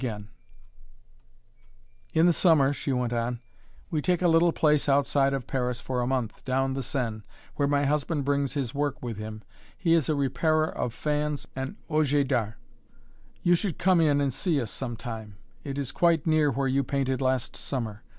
[Illustration: A SCULPTOR'S STUDIO] "In the summer," she went on, "we take a little place outside of Paris for a month, down the Seine, where my husband brings his work with him; he is a repairer of fans and objets d'art. You should come in and see us some time; it is quite near where you painted last summer.